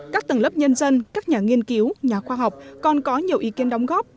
các tầng lớp nhân dân các nhà nghiên cứu nhà khoa học còn có nhiều ý kiến đóng góp